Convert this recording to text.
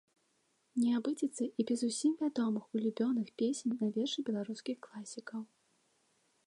Не абыдзецца і без усім вядомых улюбёных песень на вершы беларускіх класікаў.